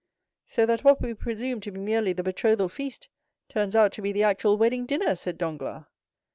"So that what we presumed to be merely the betrothal feast turns out to be the actual wedding dinner!" said Danglars.